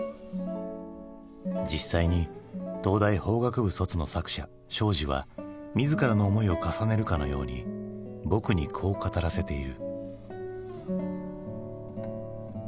実際に東大法学部卒の作者庄司は自らの思いを重ねるかのように「ぼく」にこう語らせている。